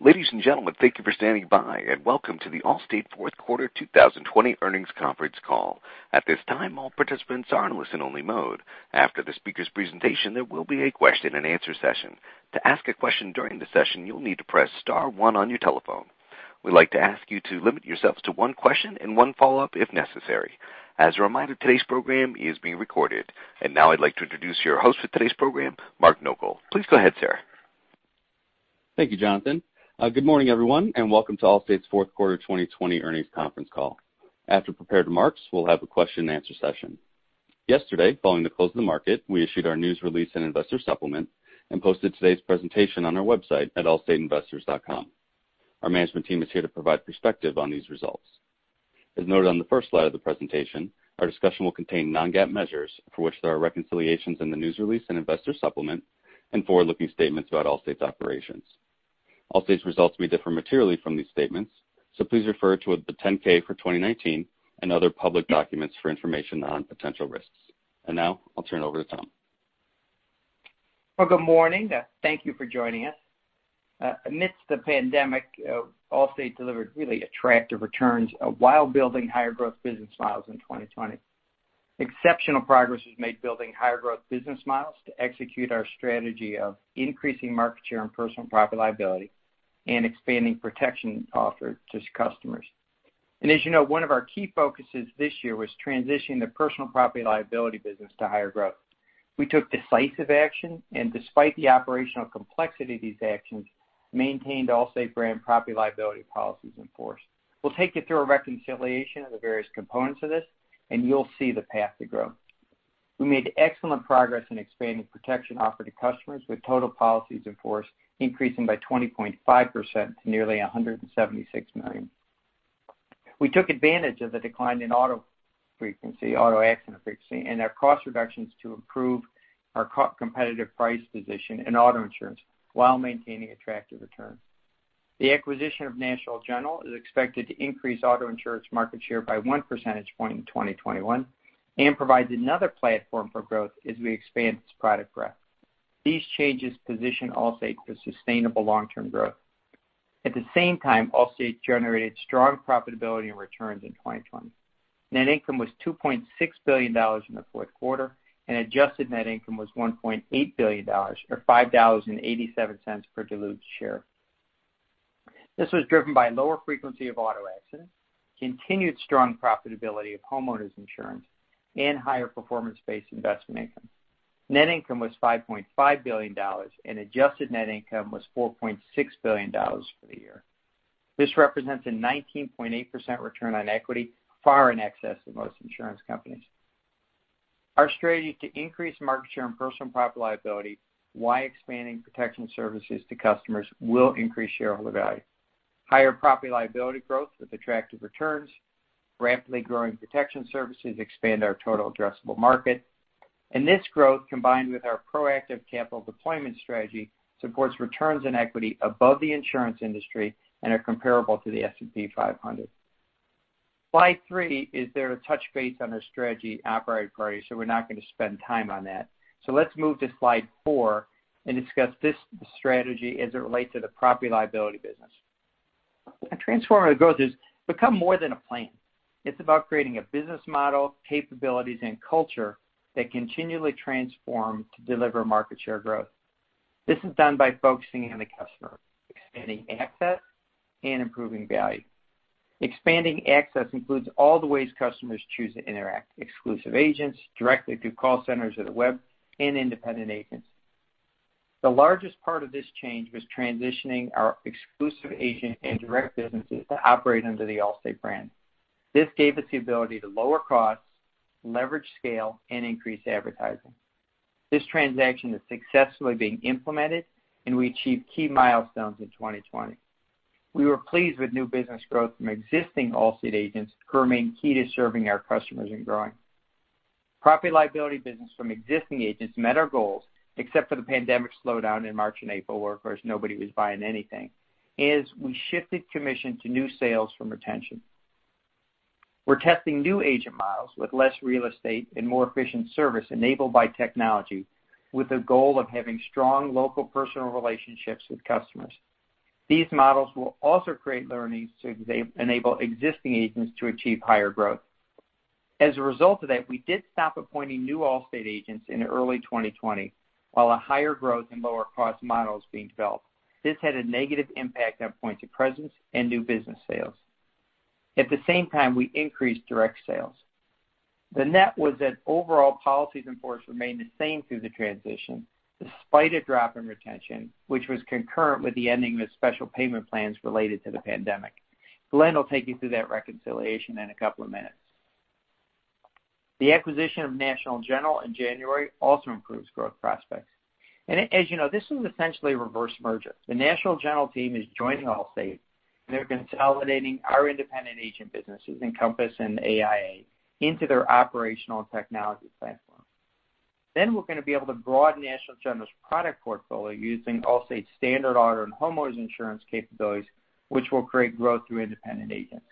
Ladies and gentlemen, thank you for standing by, and welcome to the Allstate Fourth Quarter 2020 Earnings Conference Call. At this time, all participants are in listen-only mode. After the speaker's presentation, there will be a question-and-answer session. To ask a question during the session, you'll need to press star one on your telephone. We'd like to ask you to limit yourself to one question and one follow-up if necessary. As a reminder, today's program is being recorded. Now, I'd like to introduce your host for today's program, Mark Nogal. Please go ahead, sir. Thank you, Jonathan. Good morning, everyone, and welcome to Allstate's Fourth Quarter 2020 Earnings Conference Call. After prepared remarks, we'll have a question-and-answer session. Yesterday, following the close of the market, we issued our news release and investor supplement and posted today's presentation on our website at allstateinvestors.com. Our management team is here to provide perspective on these results. As noted on the first slide of the presentation, our discussion will contain non-GAAP measures for which there are reconciliations in the news release and investor supplement, and forward-looking statements about Allstate's operations. Allstate's results may differ materially from these statements, so please refer to the 10-K for 2019 and other public documents for information on potential risks. Now, I'll turn it over to Thomas. Good morning. Thank you for joining us. Amidst the pandemic, Allstate delivered really attractive returns while building higher growth business models in 2020. Exceptional progress was made building higher growth business models to execute our strategy of increasing market share in personal property liability and expanding protection offered to customers. As, one of our key focuses this year was transitioning the personal property liability business to higher growth. We took decisive action, and despite the operational complexity of these actions, maintained Allstate brand property liability policies in force. We'll take you through a reconciliation of the various components of this, and you'll see the path to growth. We made excellent progress in expanding protection offered to customers, with total policies in force increasing by 20.5% to nearly 176 million. We took advantage of the decline in auto accident frequency and our cost reductions to improve our competitive price position in auto insurance while maintaining attractive returns. The acquisition of National General is expected to increase auto insurance market share by one percentage point in 2021 and provides another platform for growth as we expand product breadth. These changes position Allstate for sustainable long-term growth. At the same time, Allstate generated strong profitability and returns in 2020. Net income was $2.6 billion in the fourth quarter, and adjusted net income was $1.8 billion, or $5.87 per diluted share. This was driven by lower frequency of auto accidents, continued strong profitability of homeowners insurance, and higher performance-based investment income. Net income was $5.5 billion, and adjusted net income was $4.6 billion for the year. This represents a 19.8% return on equity, far in excess of most insurance companies. Our strategy to increase market share in personal property liability while expanding protection services to customers will increase shareholder value. Higher property liability growth with attractive returns, rapidly growing protection services expand our total addressable market, and this growth, combined with our proactive capital deployment strategy, supports returns on equity above the insurance industry and are comparable to the S&P 500. Slide three is there to touch base on our strategy operating priorities, so we're not going to spend time on that, so let's move to slide four and discuss this strategy as it relates to the property liability business. A transformative growth has become more than a plan. It's about creating a business model, capabilities, and culture that continually transform to deliver market share growth. This is done by focusing on the customer, expanding access, and improving value. Expanding access includes all the ways customers choose to interact: exclusive agents, directly through call centers or the web, and independent agents. The largest part of this change was transitioning our exclusive agent and direct businesses to operate under the Allstate brand. This gave us the ability to lower costs, leverage scale, and increase advertising. This transaction is successfully being implemented, and we achieved key milestones in 2020. We were pleased with new business growth from existing Allstate agents who remained key to serving our customers and growing. Property liability business from existing agents met our goals, except for the pandemic slowdown in March and April, where of course, nobody was buying anything, as we shifted commission to new sales from retention. We're testing new agent models with less real estate and more efficient service enabled by technology, with a goal of having strong local personal relationships with customers. These models will also create learnings to enable existing agents to achieve higher growth. As a result of that, we did stop appointing new Allstate agents in early 2020 while a higher growth and lower cost model is being developed. This had a negative impact on points of presence and new business sales. At the same time, we increased direct sales. The net was that overall policies in force remained the same through the transition, despite a drop in retention, which was concurrent with the ending of special payment plans related to the pandemic. Glenn will take you through that reconciliation in a couple of minutes. The acquisition of National General in January also improves growth prospects. As, this is essentially a reverse merger. The National General team is joining Allstate, and they're consolidating our independent agent businesses, Encompass and AIA, into their operational technology platform. Then we're going to be able to broaden National General's product portfolio using Allstate's standard auto and homeowners insurance capabilities, which will create growth through independent agents.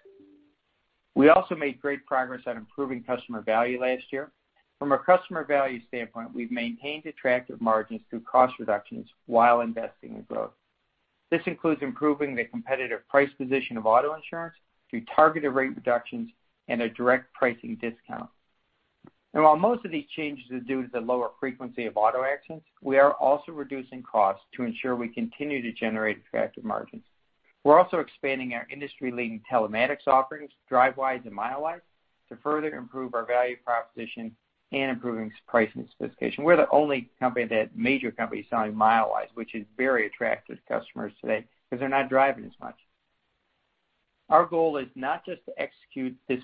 We also made great progress on improving customer value last year. From a customer value standpoint, we've maintained attractive margins through cost reductions while investing in growth. This includes improving the competitive price position of auto insurance through targeted rate reductions and a direct pricing discount. While most of these changes are due to the lower frequency of auto accidents, we are also reducing costs to ensure we continue to generate attractive margins. We're also expanding our industry-leading telematics offerings, DriveWise and MileWise, to further improve our value proposition and improving pricing specification. We're the only major company selling MileWise, which is very attractive to customers today because they're not driving as much. Our goal is not just to execute this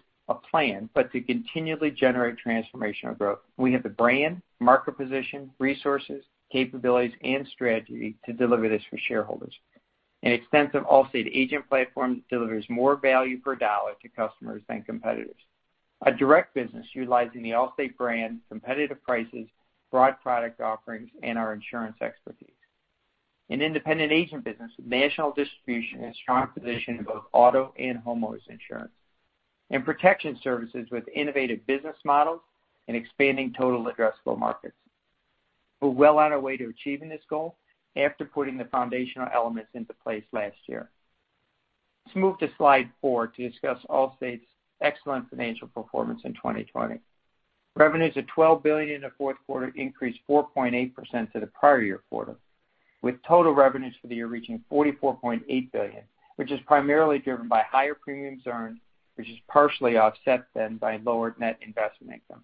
plan, but to continually generate transformational growth. We have the brand, market position, resources, capabilities, and strategy to deliver this for shareholders. An extensive Allstate agent platform delivers more value per dollar to customers than competitors. A direct business utilizing the Allstate brand, competitive prices, broad product offerings, and our insurance expertise. An independent agent business with national distribution and strong position in both auto and homeowners insurance. And protection services with innovative business models and expanding total addressable markets. We're well on our way to achieving this goal after putting the foundational elements into place last year. Let's move to slide four to discuss Allstate's excellent financial performance in 2020. Revenues of $12 billion in the fourth quarter increased 4.8% over the prior year quarter, with total revenues for the year reaching $44.8 billion, which is primarily driven by higher premiums earned, which is partially offset, then, by lower net investment income.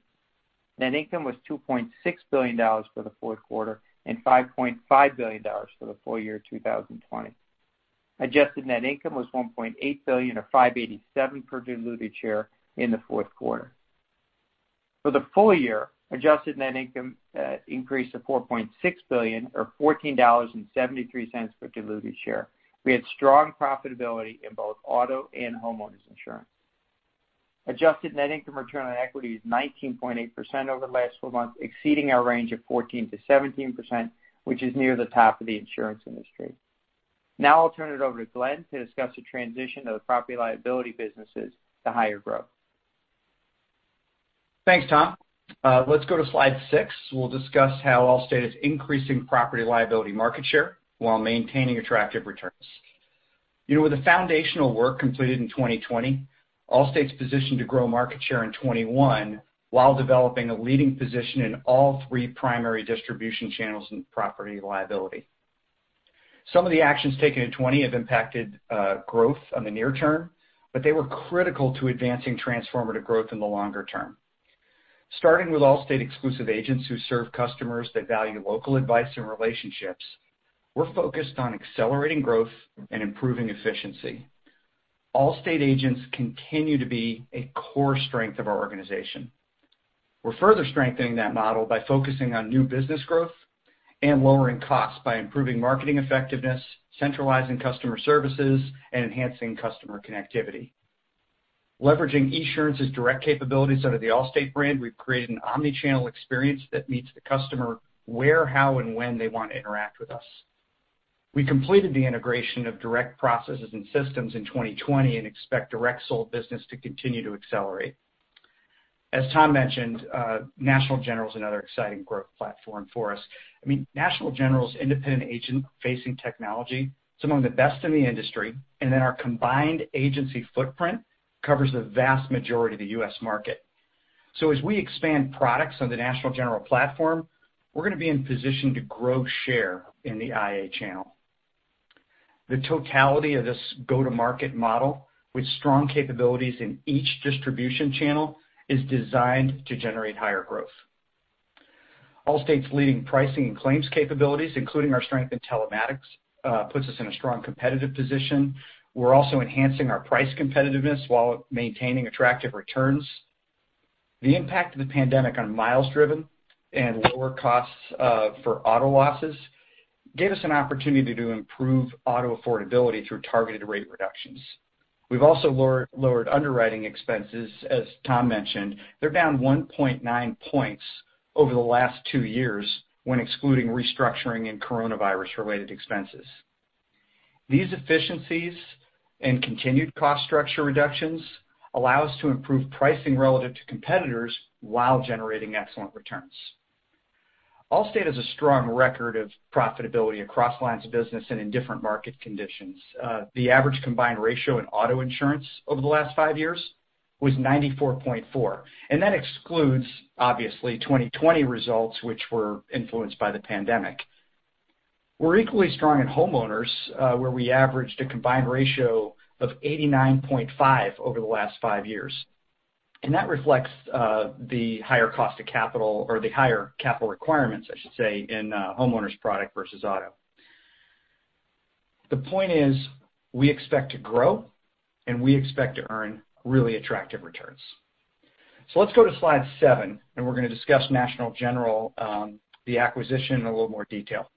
Net income was $2.6 billion for the fourth quarter and $5.5 billion for the full year 2020. Adjusted net income was $1.8 billion, or $587 per diluted share in the fourth quarter. For the full year, adjusted net income increased to $4.6 billion, or $14.73 per diluted share. We had strong profitability in both auto and homeowners insurance. Adjusted net income return on equity is 19.8% over the last four months, exceeding our range of 14%-17%, which is near the top of the insurance industry. Now I'll turn it over to Glenn to discuss the transition of the property-liability businesses to higher growth. Thanks, Tom. Let's go to slide six. We'll discuss how Allstate is increasing property liability market share while maintaining attractive returns. With the foundational work completed in 2020, Allstate's position to grow market share in 2021 while developing a leading position in all three primary distribution channels in property liability. Some of the actions taken in 2020 have impacted growth on the near term, but they were critical to advancing transformative growth in the longer term. Starting with Allstate exclusive agents who serve customers that value local advice and relationships, we're focused on accelerating growth and improving efficiency. Allstate agents continue to be a core strength of our organization. We're further strengthening that model by focusing on new business growth and lowering costs by improving marketing effectiveness, centralizing customer services, and enhancing customer connectivity. Leveraging Esurance's direct capabilities under the Allstate brand, we've created an omnichannel experience that meets the customer where, how, and when they want to interact with us. We completed the integration of direct processes and systems in 2020 and expect direct sales business to continue to accelerate. As Tom mentioned, National General is another exciting growth platform for us. I mean, National General's independent agent-facing technology is among the best in the industry, and then our combined agency footprint covers the vast majority of the US market. As we expand products on the National General platform, we're going to be in position to grow share in the IA channel. The totality of this go-to-market model with strong capabilities in each distribution channel is designed to generate higher growth. Allstate's leading pricing and claims capabilities, including our strength in telematics, puts us in a strong competitive position. We're also enhancing our price competitiveness while maintaining attractive returns. The impact of the pandemic on miles driven and lower costs for auto losses gave us an opportunity to improve auto affordability through targeted rate reductions. We've also lowered underwriting expenses. As Tom mentioned, they're down 1.9 points over the last two years when excluding restructuring and coronavirus-related expenses. These efficiencies and continued cost structure reductions allow us to improve pricing relative to competitors while generating excellent returns. Allstate has a strong record of profitability across lines of business and in different market conditions. The average combined ratio in auto insurance over the last five years was 94.4, and that excludes, obviously, 2020 results, which were influenced by the pandemic. We're equally strong in homeowners, where we averaged a combined ratio of 89.5 over the last five years. That reflects the higher cost of capital or the higher capital requirements, I should say, in homeowners product versus auto. The point is we expect to grow, and we expect to earn really attractive returns. Let's go to slide seven, and we're going to discuss National General, the acquisition in a little more detail.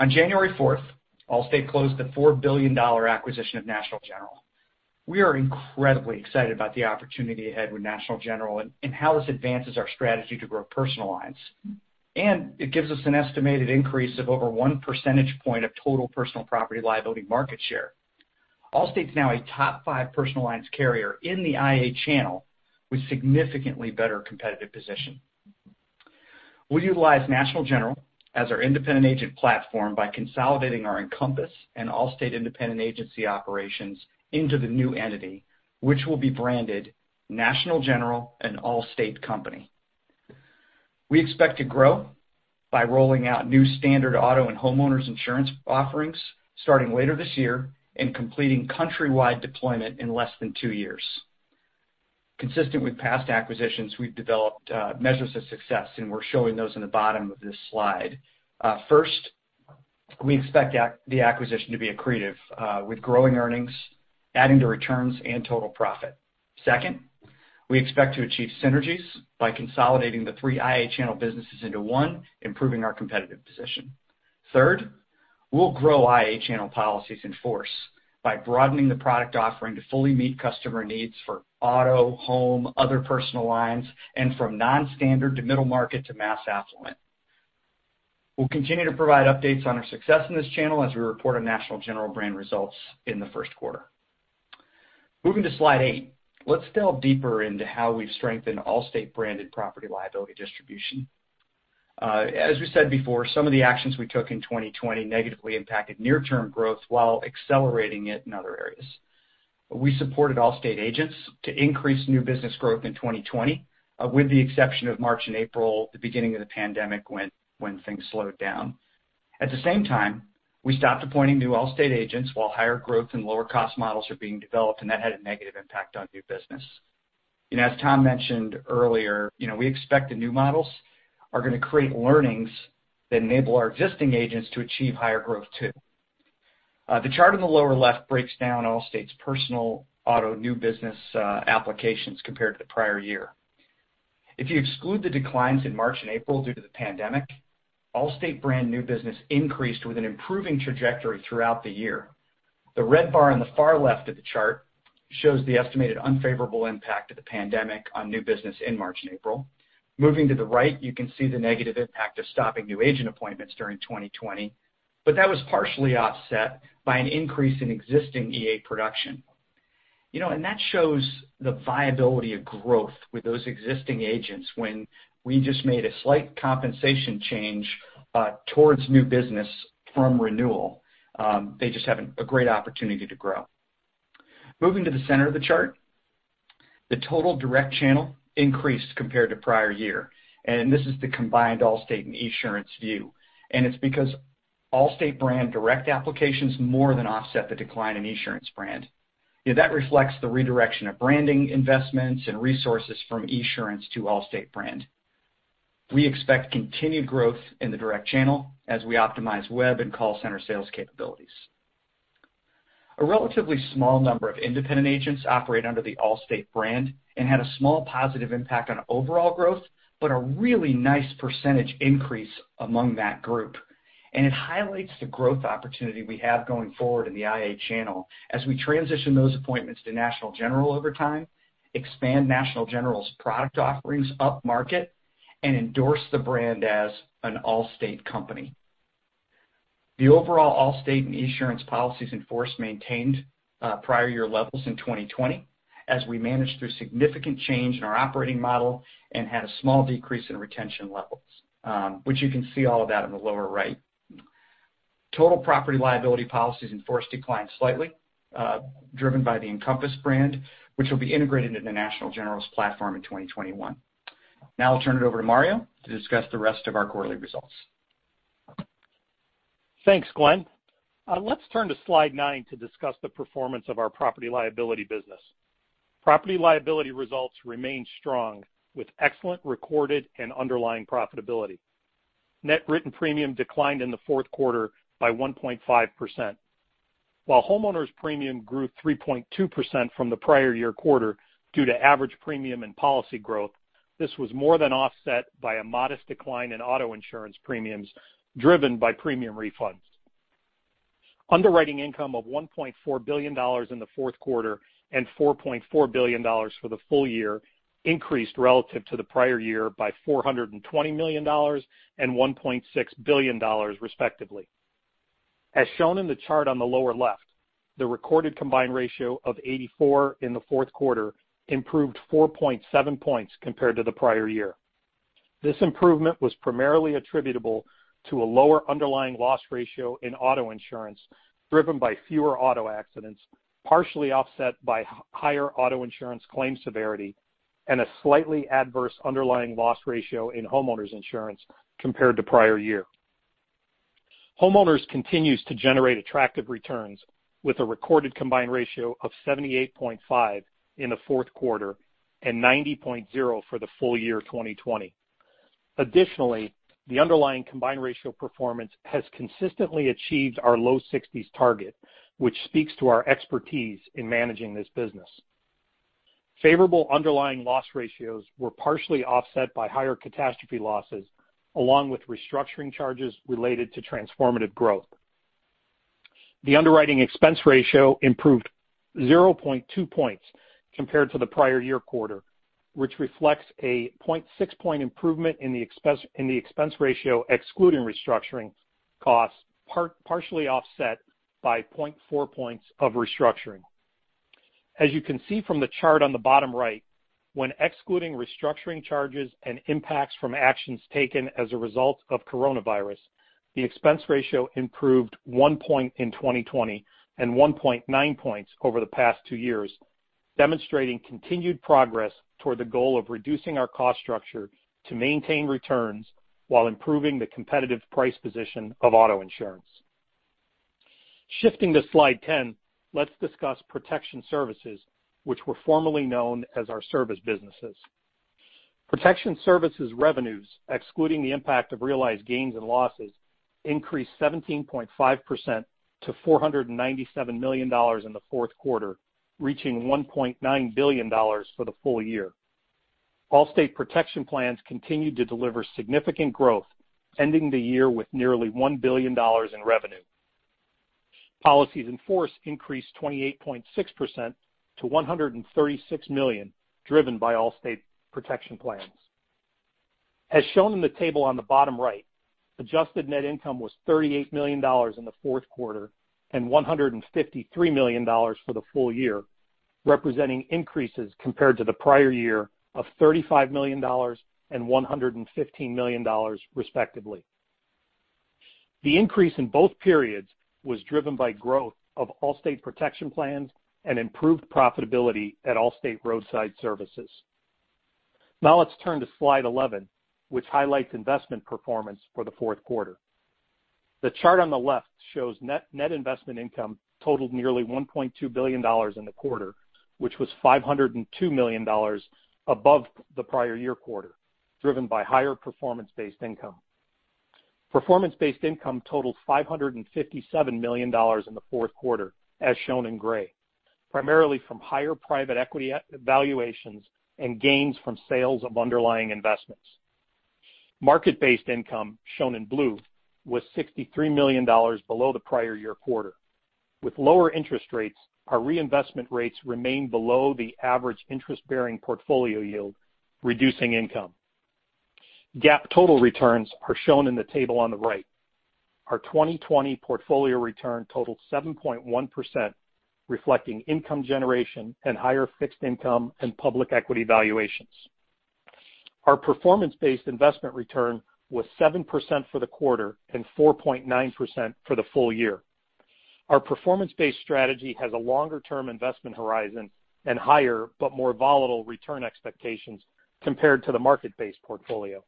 On January 4th, Allstate closed the $4 billion acquisition of National General. We are incredibly excited about the opportunity ahead with National General and how this advances our strategy to grow personal lines. And it gives us an estimated increase of over one percentage point of total personal property liability market share. Allstate's now a top five personal lines carrier in the IA channel with significantly better competitive position. We utilize National General as our independent agent platform by consolidating our Encompass and Allstate independent agency operations into the new entity, which will be branded National General and Allstate Company. We expect to grow by rolling out new standard auto and homeowners insurance offerings starting later this year and completing countrywide deployment in less than two years. Consistent with past acquisitions, we've developed measures of success, and we're showing those in the bottom of this slide. First, we expect the acquisition to be accretive with growing earnings, adding to returns and total profit. Second, we expect to achieve synergies by consolidating the three IA channel businesses into one, improving our competitive position. Third, we'll grow IA channel policies in force by broadening the product offering to fully meet customer needs for auto, home, other personal lines, and from non-standard to middle market to mass affluent. We'll continue to provide updates on our success in this channel as we report on National General brand results in the first quarter. Moving to slide eight, let's delve deeper into how we've strengthened Allstate branded property liability distribution. As we said before, some of the actions we took in 2020 negatively impacted near-term growth while accelerating it in other areas. We supported Allstate agents to increase new business growth in 2020, with the exception of March and April, the beginning of the pandemic when things slowed down. At the same time, we stopped appointing new Allstate agents while higher growth and lower cost models are being developed, and that had a negative impact on new business. As Tom mentioned earlier, we expect the new models are going to create learnings that enable our existing agents to achieve higher growth too. The chart on the lower left breaks down Allstate's personal auto new business applications compared to the prior year. If you exclude the declines in March and April due to the pandemic, Allstate brand new business increased with an improving trajectory throughout the year. The red bar on the far left of the chart shows the estimated unfavorable impact of the pandemic on new business in March and April. Moving to the right, you can see the negative impact of stopping new agent appointments during 2020, but that was partially offset by an increase in existing EA production, and that shows the viability of growth with those existing agents when we just made a slight compensation change towards new business from renewal. They just have a great opportunity to grow. Moving to the center of the chart, the total direct channel increased compared to prior year. This is the combined Allstate and Esurance view. And it's because Allstate brand direct applications more than offset the decline in Esurance brand. That reflects the redirection of branding investments and resources from Esurance to Allstate brand. We expect continued growth in the direct channel as we optimize web and call center sales capabilities. A relatively small number of independent agents operate under the Allstate brand and had a small positive impact on overall growth, but a really nice percentage increase among that group. And it highlights the growth opportunity we have going forward in the IA channel as we transition those appointments to National General over time, expand National General's product offerings up market, and endorse the brand as an Allstate company. The overall Allstate and Esurance policies in force maintained prior year levels in 2020 as we managed through significant change in our operating model and had a small decrease in retention levels, which you can see all of that on the lower right. Total property liability policies in force declined slightly, driven by the Encompass brand, which will be integrated into National General's platform in 2021. Now I'll turn it over to Mario to discuss the rest of our quarterly results. Thanks, Glenn. Let's turn to slide nine to discuss the performance of our Property-Liability business. Property-Liability results remain strong with excellent recorded and underlying profitability. Net written premium declined in the fourth quarter by 1.5%. While homeowners premium grew 3.2% from the prior year quarter due to average premium and policy growth, this was more than offset by a modest decline in auto insurance premiums driven by premium refunds. Underwriting income of $1.4 billion in the fourth quarter and $4.4 billion for the full year increased relative to the prior year by $420 million and $1.6 billion, respectively. As shown in the chart on the lower left, the recorded combined ratio of 84 in the fourth quarter improved 4.7 points compared to the prior year. This improvement was primarily attributable to a lower underlying loss ratio in auto insurance driven by fewer auto accidents, partially offset by higher auto insurance claim severity, and a slightly adverse underlying loss ratio in homeowners insurance compared to prior year. Homeowners continues to generate attractive returns with a recorded combined ratio of 78.5 in the fourth quarter and 90.0 for the full year 2020. Additionally, the underlying combined ratio performance has consistently achieved our low 60s target, which speaks to our expertise in managing this business. Favorable underlying loss ratios were partially offset by higher catastrophe losses along with restructuring charges related to transformative growth. The underwriting expense ratio improved 0.2 points compared to the prior year quarter, which reflects a 0.6 point improvement in the expense ratio excluding restructuring costs, partially offset by 0.4 points of restructuring. As you can see from the chart on the bottom right, when excluding restructuring charges and impacts from actions taken as a result of coronavirus, the expense ratio improved one point in 2020 and 1.9 points over the past two years, demonstrating continued progress toward the goal of reducing our cost structure to maintain returns while improving the competitive price position of auto insurance. Shifting to slide 10, let's discuss protection services, which were formerly known as our service businesses. Protection services revenues, excluding the impact of realized gains and losses, increased 17.5% to $497 million in the fourth quarter, reaching $1.9 billion for the full year. Allstate Protection Plans continued to deliver significant growth, ending the year with nearly $1 billion in revenue. Policies in force increased 28.6% to $136 million, driven by Allstate Protection Plans.As shown in the table on the bottom right, adjusted net income was $38 million in the fourth quarter and $153 million for the full year, representing increases compared to the prior year of $35 million and $115 million, respectively. The increase in both periods was driven by growth of Allstate Protection Plans and improved profitability at Allstate Roadside Services. Now let's turn to slide 11, which highlights investment performance for the fourth quarter. The chart on the left shows net investment income totaled nearly $1.2 billion in the quarter, which was $502 million above the prior year quarter, driven by higher performance-based income. Performance-based income totaled $557 million in the fourth quarter, as shown in gray, primarily from higher private equity valuations and gains from sales of underlying investments. Market-based income, shown in blue, was $63 million below the prior year quarter. With lower interest rates, our reinvestment rates remain below the average interest-bearing portfolio yield, reducing income. GAAP total returns are shown in the table on the right. Our 2020 portfolio return totaled 7.1%, reflecting income generation and higher fixed income and public equity valuations. Our performance-based investment return was 7% for the quarter and 4.9% for the full year. Our performance-based strategy has a longer-term investment horizon and higher but more volatile return expectations compared to the market-based portfolio.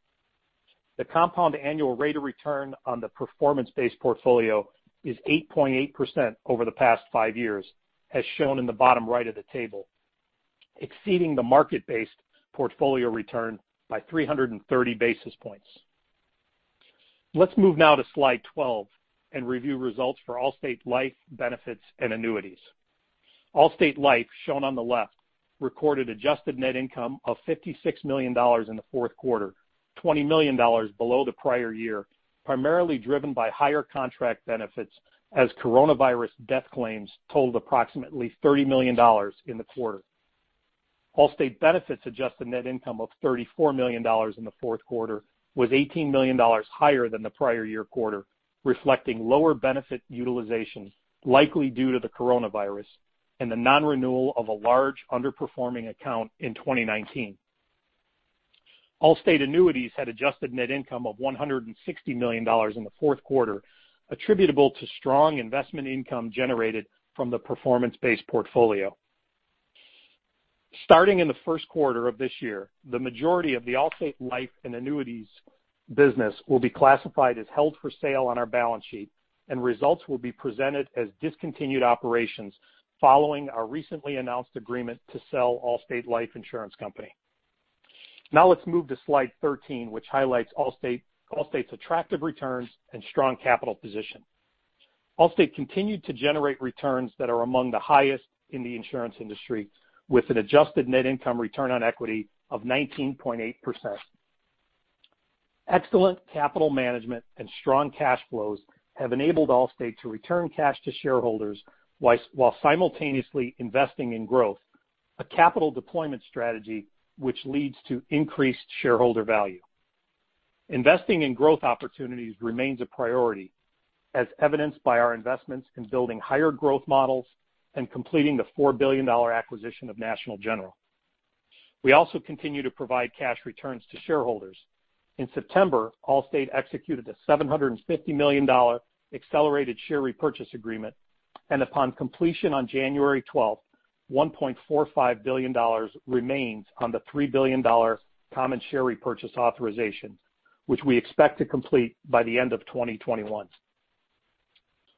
The compound annual rate of return on the performance-based portfolio is 8.8% over the past five years, as shown in the bottom right of the table, exceeding the market-based portfolio return by 330 basis points. Let's move now to slide 12 and review results for Allstate Life, benefits, and annuities. Allstate Life, shown on the left, recorded adjusted net income of $56 million in the fourth quarter, $20 million below the prior year, primarily driven by higher contract benefits as coronavirus death claims totaled approximately $30 million in the quarter. Allstate Benefits' adjusted net income of $34 million in the fourth quarter was $18 million higher than the prior year quarter, reflecting lower benefit utilization likely due to the coronavirus and the non-renewal of a large underperforming account in 2019. Allstate Annuities had adjusted net income of $160 million in the fourth quarter, attributable to strong investment income generated from the performance-based portfolio. Starting in the first quarter of this year, the majority of the Allstate Life and annuities business will be classified as held for sale on our balance sheet, and results will be presented as discontinued operations following our recently announced agreement to sell Allstate Life Insurance Company. Now let's move to slide 13, which highlights Allstate's attractive returns and strong capital position. Allstate continued to generate returns that are among the highest in the insurance industry, with an adjusted net income return on equity of 19.8%. Excellent capital management and strong cash flows have enabled Allstate to return cash to shareholders while simultaneously investing in growth, a capital deployment strategy which leads to increased shareholder value. Investing in growth opportunities remains a priority, as evidenced by our investments in building higher growth models and completing the $4 billion acquisition of National General. We also continue to provide cash returns to shareholders. In September, Allstate executed a $750 million accelerated share repurchase agreement, and upon completion on January 12th, $1.45 billion remains on the $3 billion common share repurchase authorization, which we expect to complete by the end of 2021.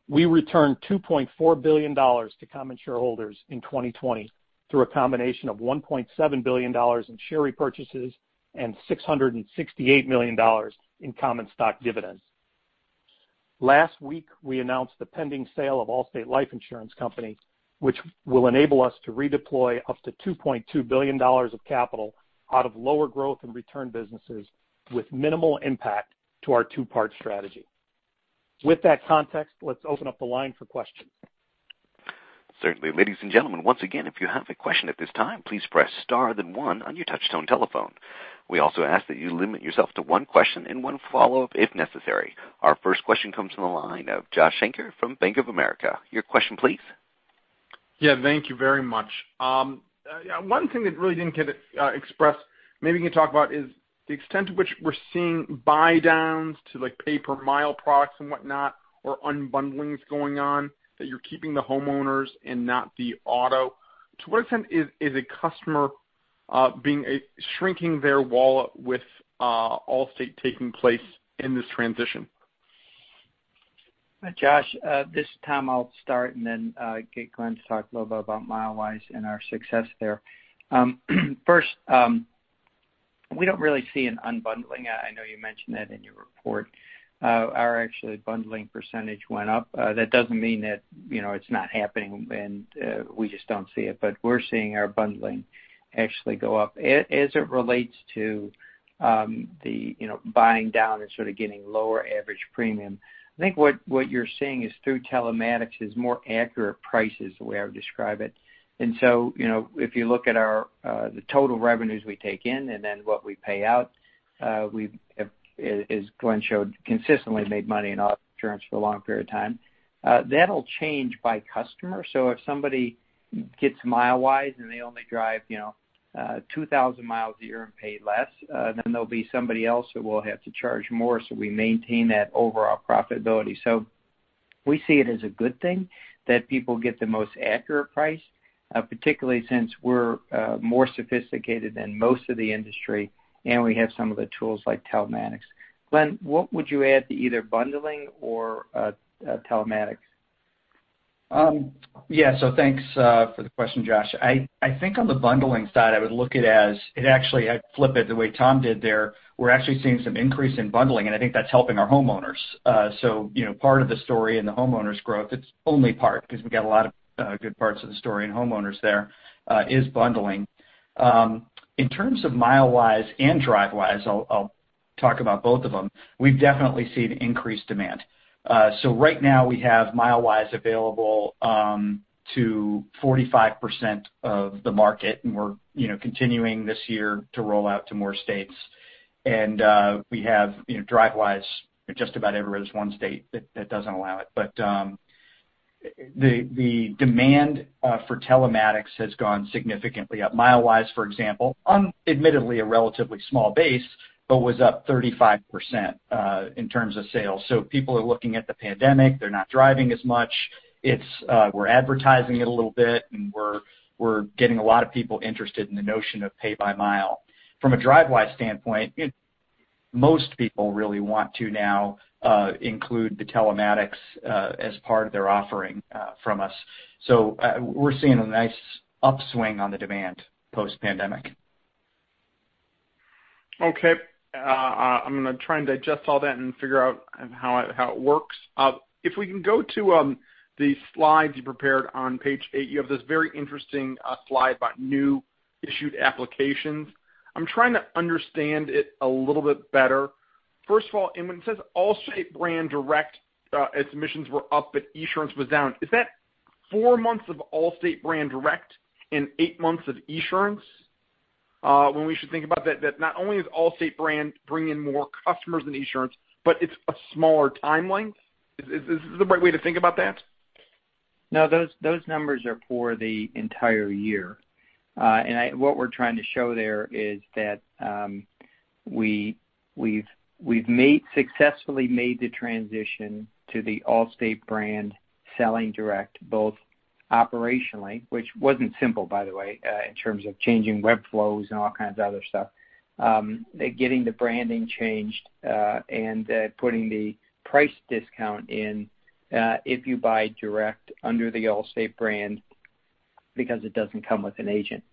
We returned $2.4 billion to common shareholders in 2020 through a combination of $1.7 billion in share repurchases and $668 million in common stock dividends. Last week, we announced the pending sale of Allstate Life Insurance Company, which will enable us to redeploy up to $2.2 billion of capital out of lower growth and return businesses with minimal impact to our two-part strategy. With that context, let's open up the line for questions. Certainly. Ladies and gentlemen, once again, if you have a question at this time, please press star then one on your touch-tone telephone. We also ask that you limit yourself to one question and one follow-up if necessary. Our first question comes from the line of Josh Shanker from Bank of America. Your question, please. Yeah, thank you very much. One thing that really didn't get expressed, maybe we can talk about, is the extent to which we're seeing buy-downs to pay-per-mile products and whatnot, or unbundlings going on that you're keeping the homeowners and not the auto. To what extent is a customer shrinking their wallet with Allstate taking place in this transition? Josh, this time I'll start and then get Glenn to talk a little bit about MileWise and our success there. First, we don't really see an unbundling. I know you mentioned that in your report. Our actually bundling percentage went up. That doesn't mean that it's not happening and we just don't see it, but we're seeing our bundling actually go up as it relates to the buying down and getting lower average premium. I think what you're seeing is through telematics is more accurate prices, the way I would describe it. If you look at the total revenues we take in and then what we pay out, as Glenn showed, consistently made money in auto insurance for a long period of time. That'll change by customer. So if somebody gets MileWise and they only drive 2,000 miles a year and pay less, then there'll be somebody else who will have to charge more. So we maintain that overall profitability. So we see it as a good thing that people get the most accurate price, particularly since we're more sophisticated than most of the industry and we have some of the tools like telematics. Glenn, what would you add to either bundling or telematics? Yeah, so thanks for the question, Josh. I think on the bundling side, I would look at it as it actually had flipped it the way Tom did there. We're actually seeing some increase in bundling, and I think that's helping our homeowners. So part of the story in the homeowners' growth, it's only part because we've got a lot of good parts of the story in homeowners there, is bundling. In terms of MileWise and DriveWise, I'll talk about both of them, we've definitely seen increased demand. So right now we have MileWise available to 45% of the market, and we're continuing this year to roll out to more states. And we have DriveWise in just about every other state that doesn't allow it. But the demand for telematics has gone significantly up. MileWise, for example, admittedly a relatively small base, but was up 35% in terms of sales. So people are looking at the pandemic. They're not driving as much. We're advertising it a little bit, and we're getting a lot of people interested in the notion of pay-by-mile. From a DriveWise standpoint, most people really want to now include the telematics as part of their offering from us. So we're seeing a nice upswing on the demand post-pandemic. Okay. I'm going to try and digest all that and figure out how it works. If we can go to the slides you prepared on page eight, you have this very interesting slide about new issued applications. I'm trying to understand it a little bit better. First of all, when it says Allstate brand direct, applications were up, but Esurance was down, is that four months of Allstate brand direct and eight months of Esurance? When we should think about that, that not only is Allstate brand bringing in more customers than Esurance, but it's a smaller time length. Is this the right way to think about that? No, those numbers are for the entire year. What we're trying to show there is that we've successfully made the transition to the Allstate brand selling direct, both operationally, which wasn't simple, by the way, in terms of changing web flows and all kinds of other stuff, getting the branding changed, and putting the price discount in if you buy direct under the Allstate brand because it doesn't come with an agent.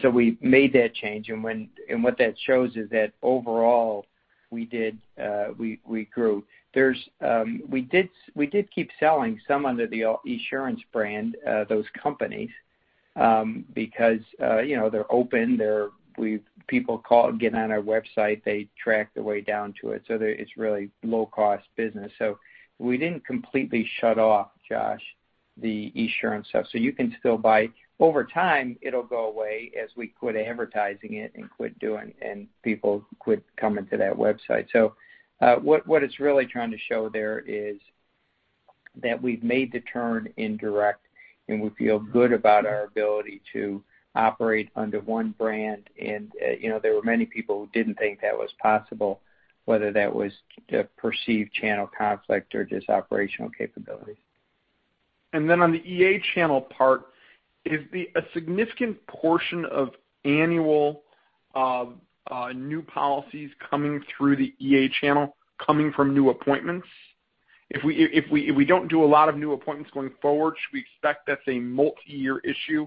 So we made that change. And what that shows is that overall we grew. We did keep selling some under the Esurance brand, those companies, because they're open. People get on our website. They track the way down to it. So it's really low-cost business. So we didn't completely shut off, Josh, the Esurance stuff. So you can still buy. Over time, it'll go away as we quit advertising it and quit doing, and people quit coming to that website. So what it's really trying to show there is that we've made the turn in direct, and we feel good about our ability to operate under one brand. And there were many people who didn't think that was possible, whether that was perceived channel conflict or just operational capabilities. Then on the EA channel part, is a significant portion of annual new policies coming through the EA channel coming from new appointments? If we don't do a lot of new appointments going forward, should we expect that's a multi-year issue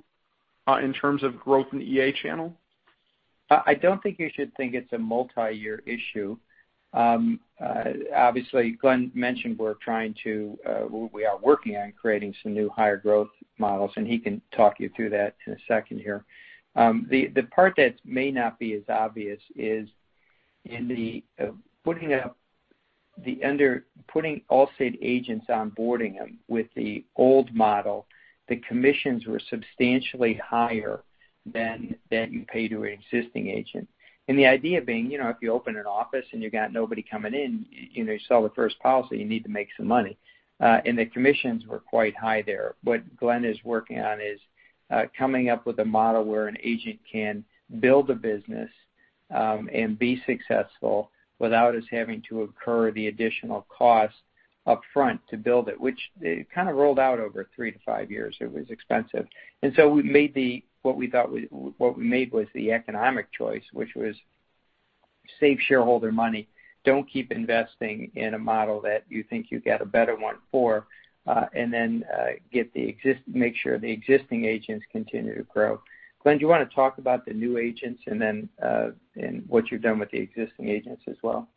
in terms of growth in the EA channel? I don't think you should think it's a multi-year issue. Obviously, Glenn mentioned we're trying to, we are working on creating some new higher growth models, and he can talk you through that in a second here. The part that may not be as obvious is in putting Allstate agents onboarding them with the old model, the commissions were substantially higher than you pay to an existing agent. The idea being, if you open an office and you got nobody coming in, you sell the first policy, you need to make some money. And the commissions were quite high there. What Glenn is working on is coming up with a model where an agent can build a business and be successful without us having to incur the additional cost upfront to build it, which kind of rolled out over three to five years. It was expensive. We made the - what we thought we made was the economic choice, which was save shareholder money, don't keep investing in a model that you think you got a better one for, and then make sure the existing agents continue to grow. Glenn, do you want to talk about the new agents and what you've done with the existing agents as well?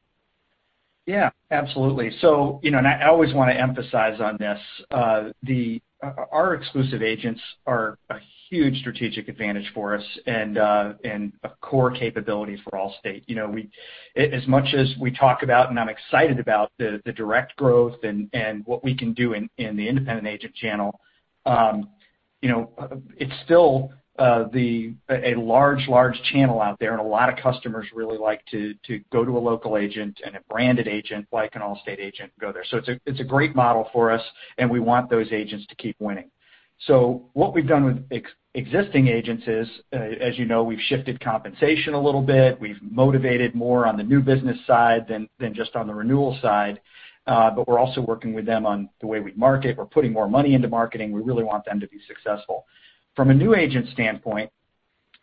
Yeah, absolutely. And I always want to emphasize on this. Our exclusive agents are a huge strategic advantage for us and a core capability for Allstate. As much as we talk about, and I'm excited about the direct growth and what we can do in the independent agent channel, it's still a large, large channel out there, and a lot of customers really like to go to a local agent and a branded agent like an Allstate agent and go there. So it's a great model for us, and we want those agents to keep winning. So what we've done with existing agents is, as we've shifted compensation a little bit. We've motivated more on the new business side than just on the renewal side, but we're also working with them on the way we market. We're putting more money into marketing. We really want them to be successful. From a new agent standpoint,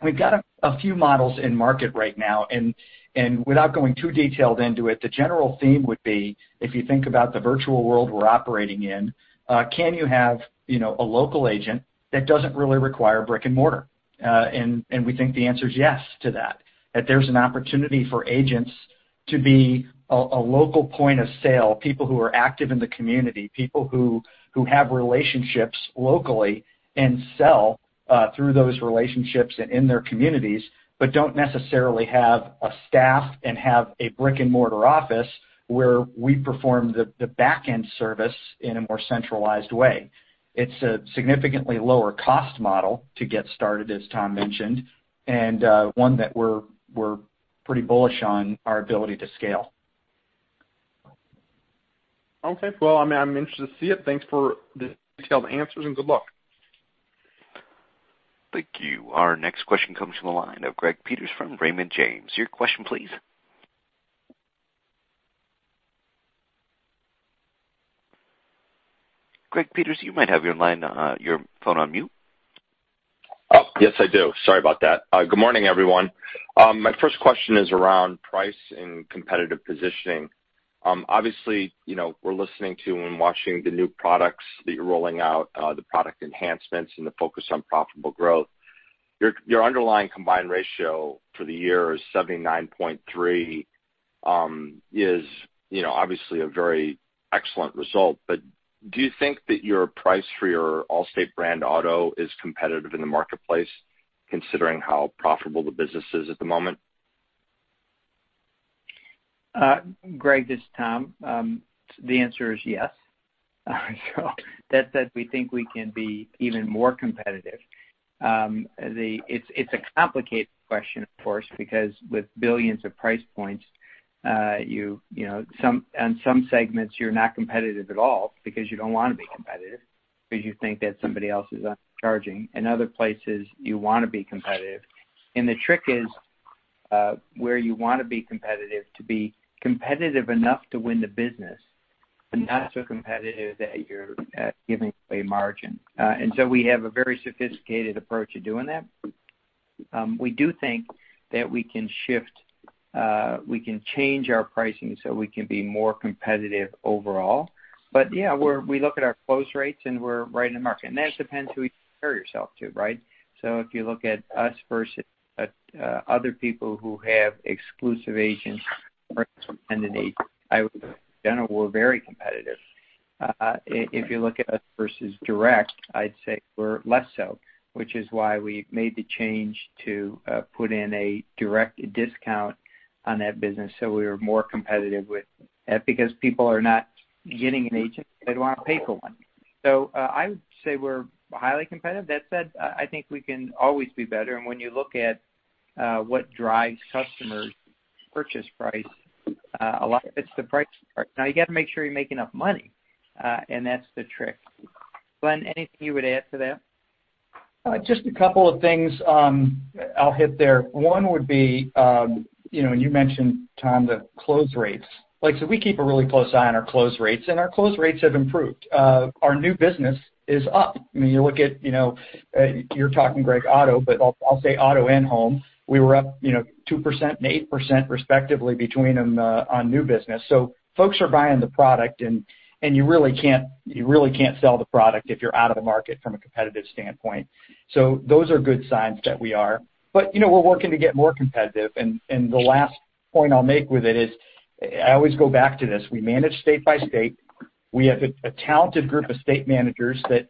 we've got a few models in market right now. And without going too detailed into it, the general theme would be, if you think about the virtual world we're operating in, can you have a local agent that doesn't really require brick and mortar? And we think the answer is yes to that, that there's an opportunity for agents to be a local point of sale, people who are active in the community, people who have relationships locally and sell through those relationships and in their communities, but don't necessarily have a staff and have a brick and mortar office where we perform the backend service in a more centralized way. It's a significantly lower-cost model to get started, as Tom mentioned, and one that we're pretty bullish on our ability to scale. Okay, well, I mean, I'm interested to see it. Thanks for the detailed answers and good luck. Thank you. Our next question comes from the line of Greg Peters from Raymond James. Your question, please. Greg Peters, you might have your phone on mute. Yes, I do. Sorry about that. Good morning, everyone. My first question is around price and competitive positioning. Obviously, we're listening to and watching the new products that you're rolling out, the product enhancements, and the focus on profitable growth. Your underlying combined ratio for the year is 79.3, obviously a very excellent result. But do you think that your price for your Allstate brand auto is competitive in the marketplace, considering how profitable the business is at the moment? Greg, this is Tom. The answer is yes. So that said, we think we can be even more competitive. It's a complicated question, of course, because with billions of price points, on some segments, you're not competitive at all because you don't want to be competitive because you think that somebody else is undercharging. In other places, you want to be competitive. The trick is where you want to be competitive to be competitive enough to win the business, but not so competitive that you're giving away margin. And so we have a very sophisticated approach to doing that. We do think that we can shift, we can change our pricing so we can be more competitive overall. But yeah, we look at our close rates, and we're right in the market. That depends who you compare yourself to, right? If you look at us versus other people who have exclusive agents or independent agents, I would say, in general, we're very competitive. If you look at us versus direct, I'd say we're less so, which is why we made the change to put in a direct discount on that business so we were more competitive with that because people are not getting an agent. They don't want to pay for one. I would say we're highly competitive. That said, I think we can always be better. When you look at what drives customers' purchase price, a lot of it's the price part. Now, you got to make sure you make enough money, and that's the trick. Glenn, anything you would add to that? Just a couple of things I'll hit there. One would be, and you mentioned, Tom, the close rates. So we keep a really close eye on our close rates, and our close rates have improved. Our new business is up. I mean, you look at, you're talking, Greg, auto, but I'll say auto and home. We were up 2% and 8% respectively between them on new business. So folks are buying the product, and you really can't sell the product if you're out of the market from a competitive standpoint. So those are good signs that we are. But we're working to get more competitive. And the last point I'll make with it is I always go back to this. We manage state by state. We have a talented group of state managers that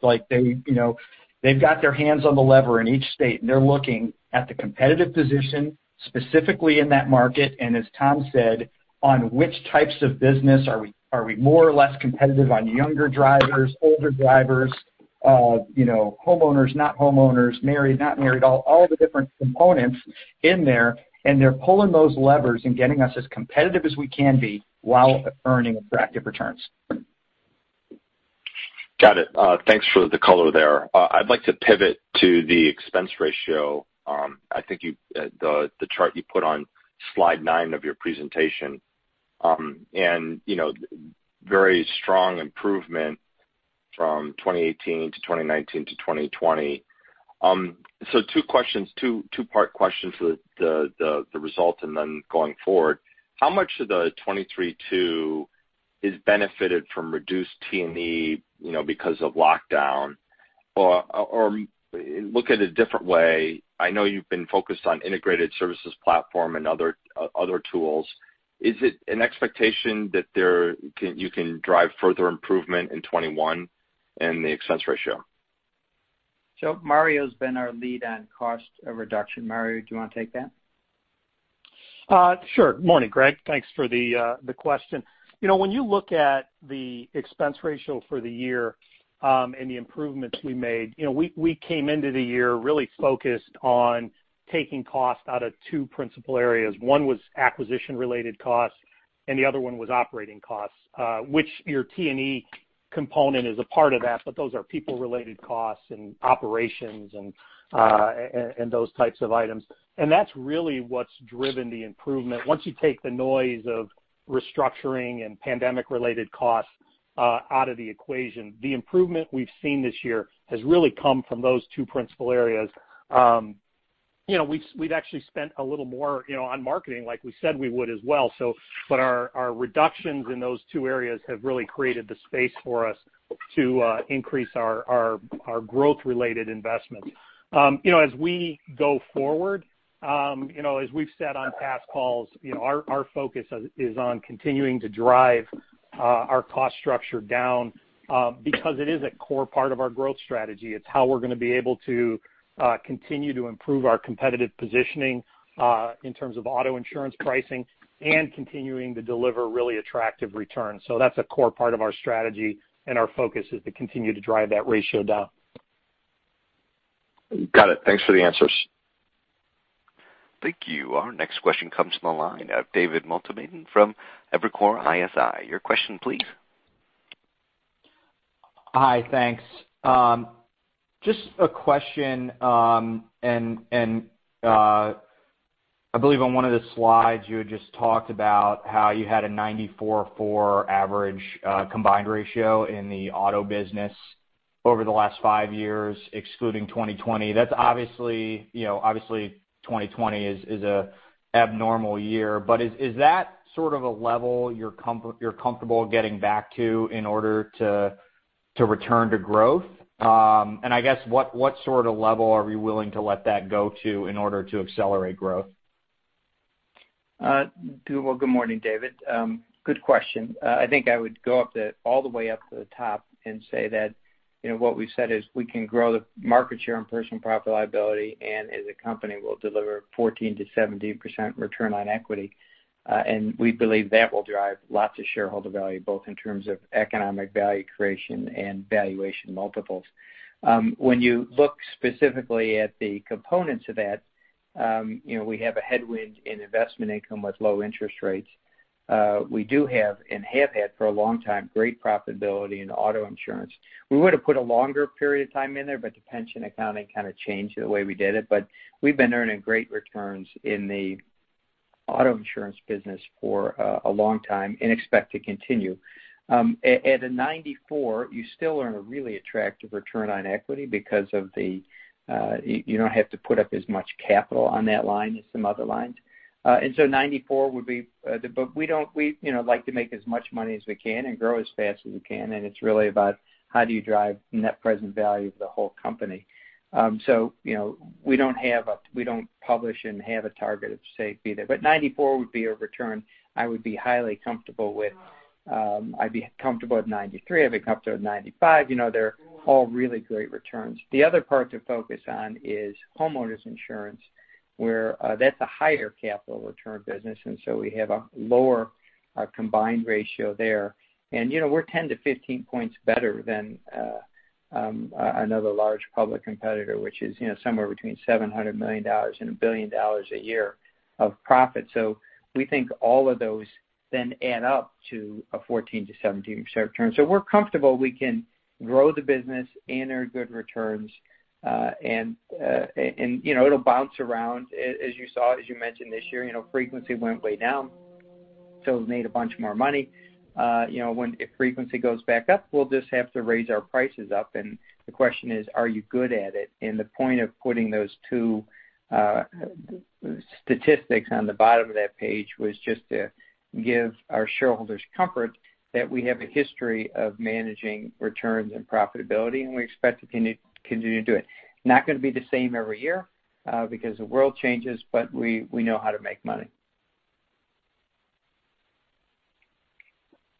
they've got their hands on the lever in each state, and they're looking at the competitive position specifically in that market. And as Tom said, on which types of business are we more or less competitive on younger drivers, older drivers, homeowners, not homeowners, married, not married, all the different components in there? They're pulling those levers and getting us as competitive as we can be while earning attractive returns. Got it. Thanks for the color there. I'd like to pivot to the expense ratio. I think the chart you put on slide nine of your presentation and very strong improvement from 2018 to 2019 to 2020. So two questions, two-part questions to the result and then going forward. How much of the 232 is benefited from reduced T&E because of lockdown? Or look at it a different way. I know you've been focused on integrated services platform and other tools. Is it an expectation that you can drive further improvement in 2021 and the expense ratio? So Mario's been our lead on cost reduction. Mario, do you want to take that? Sure. Good morning, Greg. Thanks for the question. When you look at the expense ratio for the year and the improvements we made, we came into the year really focused on taking cost out of two principal areas. One was acquisition-related costs, and the other one was operating costs, which your T&E component is a part of that, but those are people-related costs and operations and those types of items, and that's really what's driven the improvement. Once you take the noise of restructuring and pandemic-related costs out of the equation, the improvement we've seen this year has really come from those two principal areas. We've actually spent a little more on marketing, like we said we would as well, but our reductions in those two areas have really created the space for us to increase our growth-related investments. As we go forward, as we've said on past calls, our focus is on continuing to drive our cost structure down because it is a core part of our growth strategy. It's how we're going to be able to continue to improve our competitive positioning in terms of auto insurance pricing and continuing to deliver really attractive returns. So that's a core part of our strategy, and our focus is to continue to drive that ratio down. Got it. Thanks for the answers. Thank you. Our next question comes from the line of David Motemaden from Evercore ISI. Your question, please. Hi, thanks. Just a question, and I believe on one of the slides, you had just talked about how you had a 94.4 average combined ratio in the auto business over the last five years, excluding 2020. That's obviously, obviously, 2020 is an abnormal year. But is that s a level you're comfortable getting back to in order to return to growth? And I guess, what level are you willing to let that go to in order to accelerate growth? Well, good morning, David. Good question. I think I would go up all the way up to the top and say that what we've said is we can grow the market share in personal property liability, and as a company, we'll deliver 14%-17% return on equity. We believe that will drive lots of shareholder value, both in terms of economic value creation and valuation multiples. When you look specifically at the components of that, we have a headwind in investment income with low interest rates. We do have and have had for a long time great profitability in auto insurance. We would have put a longer period of time in there, but the pension accounting kind of changed the way we did it. But we've been earning great returns in the auto insurance business for a long time and expect to continue. At a 94, you still earn a really attractive return on equity because you don't have to put up as much capital on that line as some other lines. And so 94 would be, but we like to make as much money as we can and grow as fast as we can. It's really about how do you drive net present value for the whole company. We don't publish and have a target of, say, be there. But 94 would be a return I would be highly comfortable with. I'd be comfortable at 93. I'd be comfortable at 95. They're all really great returns. The other part to focus on is homeowners insurance, where that's a higher capital return business. And so we have a lower combined ratio there. And we're 10-15 points better than another large public competitor, which is somewhere between $700 million and $1 billion a year of profit. We think all of those then add up to a 14%-17% return. So we're comfortable. We can grow the business and earn good returns. It'll bounce around. As you saw, as you mentioned this year, frequency went way down. We've made a bunch more money. When frequency goes back up, we'll just have to raise our prices up. And the question is, are you good at it? And the point of putting those two statistics on the bottom of that page was just to give our shareholders comfort that we have a history of managing returns and profitability, and we expect to continue to do it. Not going to be the same every year because the world changes, but we know how to make money.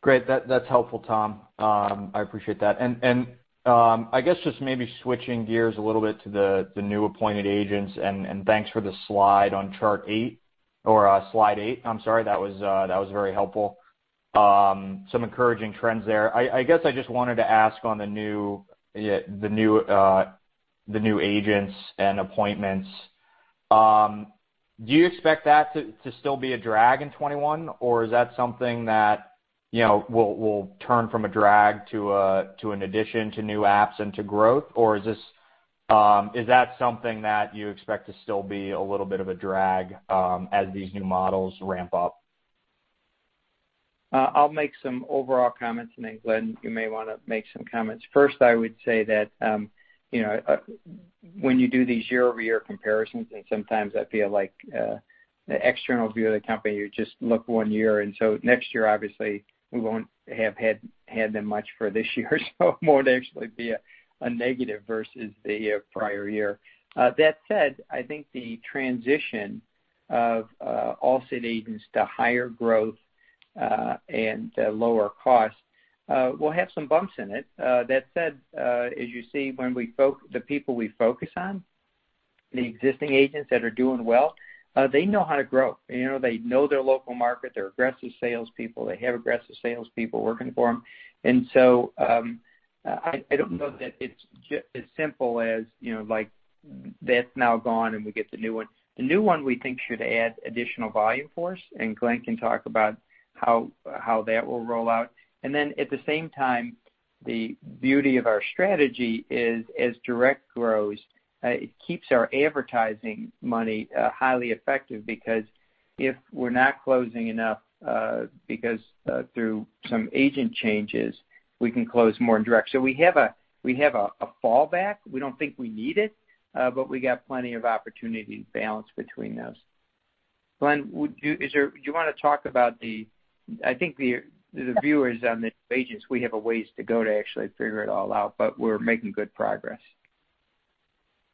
Great. That's helpful, Tom. I appreciate that. And I guess just maybe switching gears a little bit to the new appointed agents. Thanks for the slide on chart eight or slide eight. I'm sorry. That was very helpful. Some encouraging trends there.I guess I just wanted to ask on the new agents and appointments. Do you expect that to still be a drag in 2021, or is that something that will turn from a drag to an addition to new apps and to growth? Or is that something that you expect to still be a little bit of a drag as these new models ramp up? I'll make some overall comments and Glenn, you may want to make some comments. First, I would say that when you do these year-over-year comparisons, and sometimes I feel like the external view of the company, you just look one year. And so next year, obviously, we won't have had them much for this year. So it won't actually be a negative versus the prior year. That said, I think the transition of Allstate agents to higher growth and lower costs will have some bumps in it. That said, as you see, when we focus on the people we focus on, the existing agents that are doing well, they know how to grow. They know their local market. They're aggressive salespeople. They have aggressive salespeople working for them. And so I don't know that it's as simple as that's now gone and we get the new one. The new one we think should add additional volume for us. And Glenn can talk about how that will roll out. And then at the same time, the beauty of our strategy is as direct grows, it keeps our advertising money highly effective because if we're not closing enough through some agent changes, we can close more in direct. So we have a fallback. We don't think we need it, but we got plenty of opportunity to balance between those. Glenn, do you want to talk about the—I think the viewers on the new agents, we have a ways to go to actually figure it all out, but we're making good progress.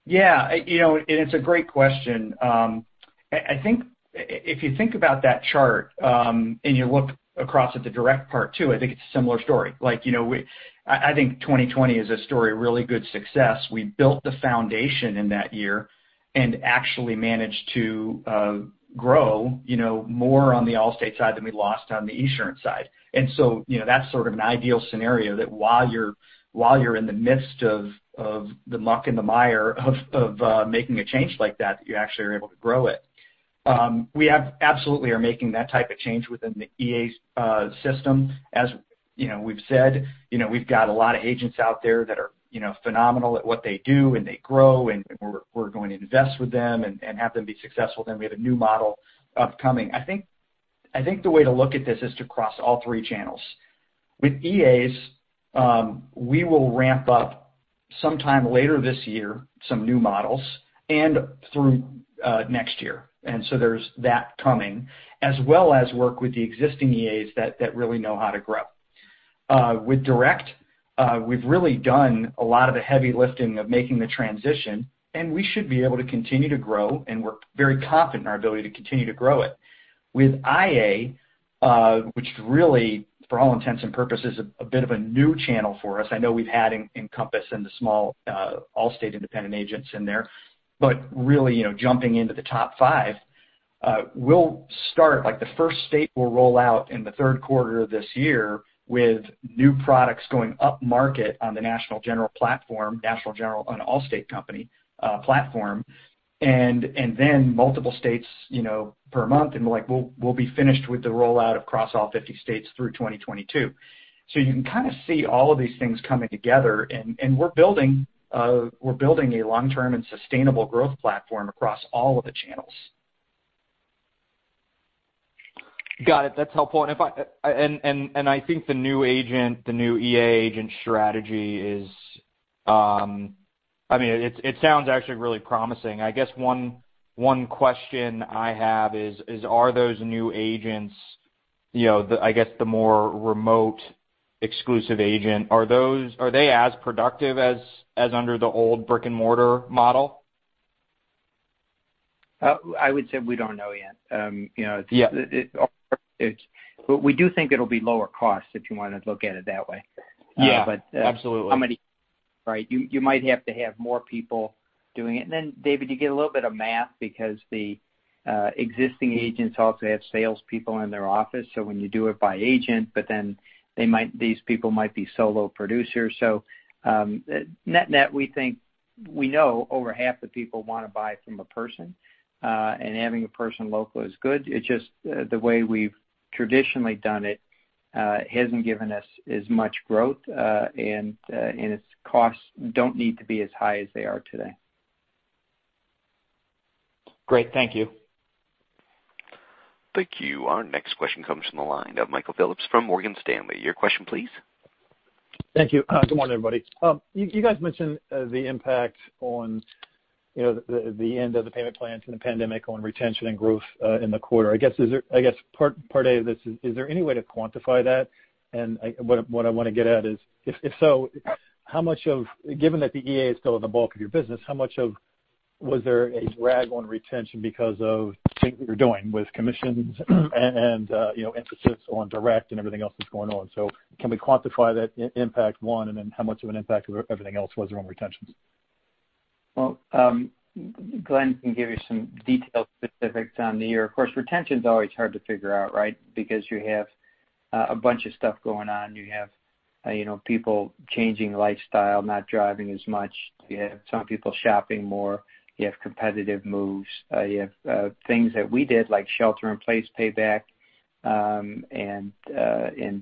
Yeah, and it's a great question. I think if you think about that chart and you look across at the direct part too, I think it's a similar story. I think 2020 is a story of really good success. We built the foundation in that year and actually managed to grow more on the Allstate side than we lost on the Esurance side, and so that's an ideal scenario that while you're in the midst of the muck and the mire of making a change like that, you actually are able to grow it. We absolutely are making that type of change within the Esurance system. As we've said, we've got a lot of agents out there that are phenomenal at what they do, and they grow, and we're going to invest with them and have them be successful, then we have a new model upcoming. I think the way to look at this is to cross all three channels. With EAs, we will ramp up sometime later this year some new models and through next year. And so there's that coming, as well as work with the existing EAs that really know how to grow. With direct, we've really done a lot of the heavy lifting of making the transition, and we should be able to continue to grow. And we're very confident in our ability to continue to grow it. With IA, which really, for all intents and purposes, is a bit of a new channel for us. I know we've had Encompass and the small Allstate independent agents in there. But really jumping into the top five, we'll start. The first state will roll out in the third quarter of this year with new products going up market on the National General platform, National General on Allstate company platform, and then multiple states per month, and we'll be finished with the rollout across all 50 states through 2022, so you can kind of see all of these things coming together, and we're building a long-term and sustainable growth platform across all of the channels. Got it. That's helpful. I think the new EA agent strategy is, I mean, it sounds actually really promising. I guess one question I have is, are those new agents, I guess, the more remote exclusive agent, are they as productive as under the old brick-and-mortar model? I would say we don't know yet. But we do think it'll be lower cost if you want to look at it that way. But how many, right? You might have to have more people doing it. Then, David, you get a little bit of math because the existing agents also have salespeople in their office. When you do it by agent, but then these people might be solo producers. So net-net, we think we know over half the people want to buy from a person. Having a person local is good. It's just the way we've traditionally done it hasn't given us as much growth, and its costs don't need to be as high as they are today. Great. Thank you. Thank you. Our next question comes from the line of Michael Phillips from Morgan Stanley. Your question, please. Thank you. Good morning, everybody. You guys mentioned the impact of the end of the payment plans and the pandemic on retention and growth in the quarter. I guess part A of this is, is there any way to quantify that? And what I want to get at is, if so, how much of, given that the EA is still the bulk of your business, how much of, was there a drag on retention because of things that you're doing with commissions and emphasis on direct and everything else that's going on? So can we quantify that impact, one, and then how much of an impact everything else was around retentions? Glenn can give you some detailed specifics on the year. Of course, retention's always hard to figure out, right? Because you have a bunch of stuff going on. You have people changing lifestyle, not driving as much. You have some people shopping more. You have competitive moves. You have things that we did like shelter-in-place payback and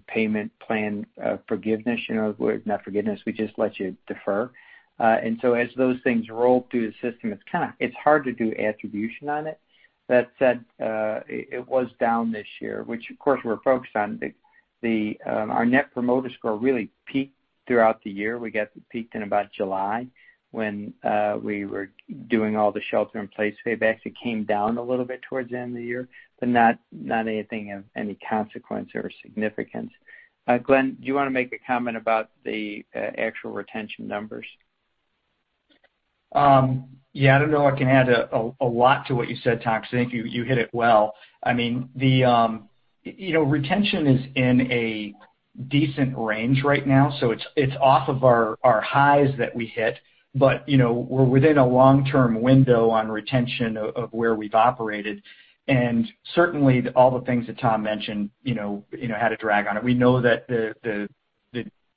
payment plan forgiveness. Not forgiveness. We just let you defer. As those things roll through the system, it's hard to do attribution on it. That said, it was down this year, which, of course, we're focused on. Our Net Promoter Score really peaked throughout the year. We got peaked in about July when we were doing all the shelter-in-place payback. It came down a little bit towards the end of the year, but not anything of any consequence or significance. Glenn, do you want to make a comment about the actual retention numbers? Yeah. I don't know if I can add a lot to what you said, Tom, because I think you hit it well. I mean, retention is in a decent range right now, so it's off of our highs that we hit, but we're within a long-term window on retention of where we've operated, and certainly all the things that Tom mentioned had a drag on it. We know that the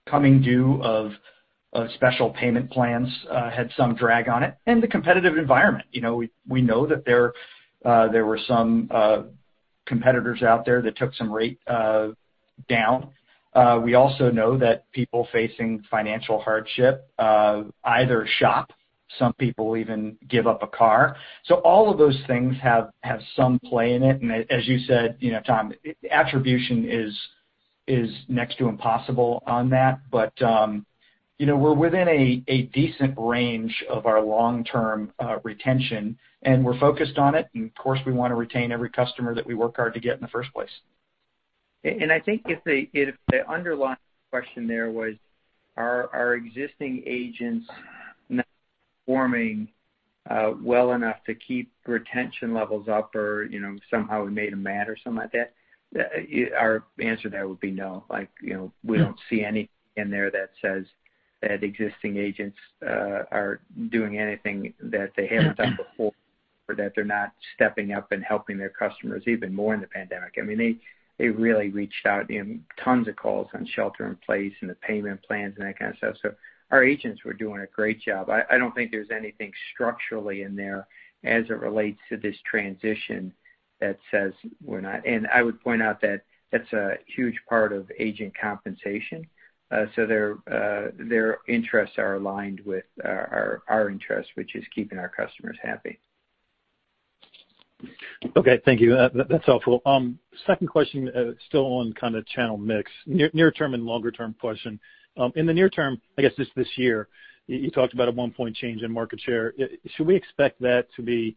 coming due of special payment plans had some drag on it, and the competitive environment. We know that there were some competitors out there that took some rate down. We also know that people facing financial hardship either shop. Some people even give up a car, so all of those things have some play in it, and as you said, Tom, attribution is next to impossible on that, but we're within a decent range of our long-term retention. We're focused on it. And of course, we want to retain every customer that we work hard to get in the first place. I think if the underlying question there was, are existing agents not performing well enough to keep retention levels up or somehow we made them mad or something like that, our answer there would be no. We don't see anything in there that says that existing agents are doing anything that they haven't done before or that they're not stepping up and helping their customers even more in the pandemic. I mean, they really reached out, tons of calls on shelter-in-place and the payment plans and that kind of stuff. So our agents were doing a great job. I don't think there's anything structurally in there as it relates to this transition that says we're not. And I would point out that that's a huge part of agent compensation. So their interests are aligned with our interest, which is keeping our customers happy. Okay. Thank you. That's helpful. Second question, still on kind of channel mix. Near-term and longer-term question. In the near term, I guess just this year, you talked about a one-point change in market share. Should we expect that to be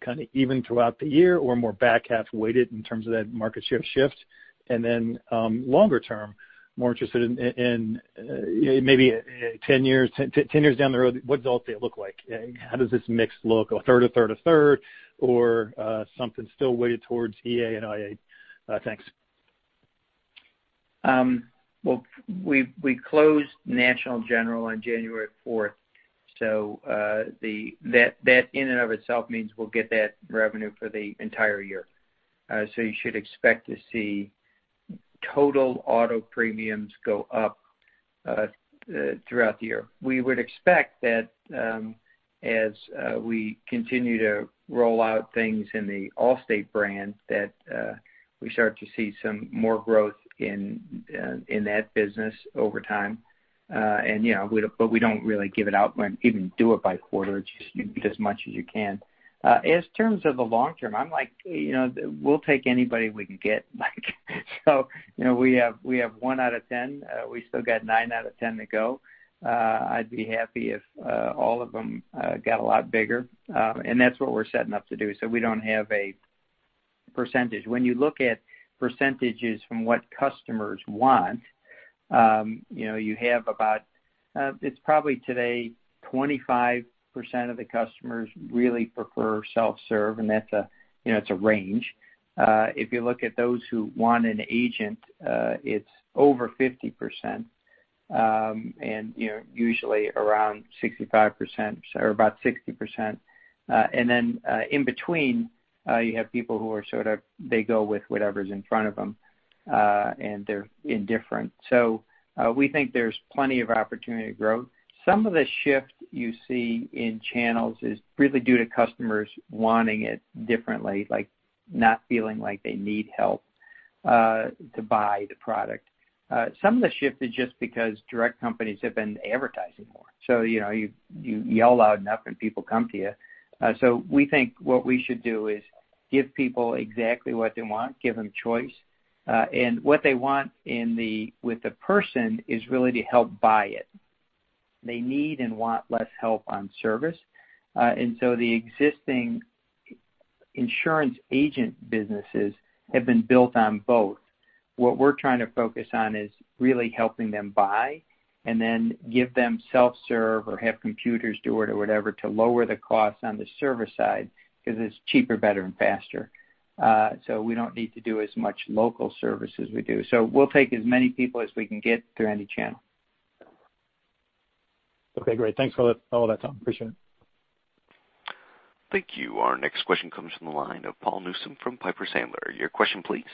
kind of even throughout the year or more back half-weighted in terms of that market share shift? And then longer term, more interested in maybe 10 years down the road, what does Allstate look like? How does this mix look? A third, a third, a third, or something still weighted towards EA and IA? Thanks. We closed National General on January 4th. So that in and of itself means we'll get that revenue for the entire year. So you should expect to see total auto premiums go up throughout the year. We would expect that as we continue to roll out things in the Allstate brand, that we start to see some more growth in that business over time. But we don't really give it out. We don't even do it by quarter. It's just as much as we can. As far as the long term, I'm like, we'll take anybody we can get. We have one out of 10. We still got nine out of 10 to go. I'd be happy if all of them got a lot bigger. That's what we're setting up to do. So we don't have a percentage. When you look at percentages from what customers want, you have about, it's probably today, 25% of the customers really prefer self-serve, and that's a range. If you look at those who want an agent, it's over 50% and usually around 65% or about 60%, and then in between, you have people who are they go with whatever's in front of them, and they're indifferent, so we think there's plenty of opportunity to grow. Some of the shift you see in channels is really due to customers wanting it differently, not feeling like they need help to buy the product. Some of the shift is just because direct companies have been advertising more, so you yell loud enough, and people come to you, so we think what we should do is give people exactly what they want, give them choice.hat they want with the person is really to help buy it. They need and want less help on service. And so the existing insurance agent businesses have been built on both. What we're trying to focus on is really helping them buy and then give them self-serve or have computers do it or whatever to lower the cost on the service side because it's cheaper, better, and faster. So we don't need to do as much local service as we do. So we'll take as many people as we can get through any channel. Okay. Great. Thanks for all that, Tom. Appreciate it. Thank you. Our next question comes from the line of Paul Newsom from Piper Sandler. Your question, please.